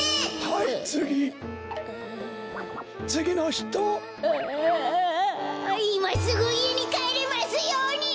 いますぐいえにかえれますように！